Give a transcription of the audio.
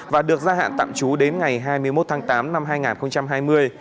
và được gia hạn tạm trú đến ngày hai mươi một tháng tám năm hai nghìn hai mươi